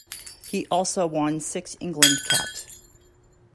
He also won six England caps.